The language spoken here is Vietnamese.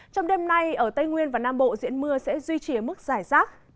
trong đêm nay ở tây nguyên và nam bộ diễn mưa sẽ duy trì ở mức giải rác